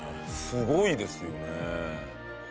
すごいですよね。